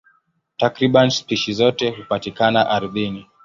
Takriban spishi zote hupatikana ardhini.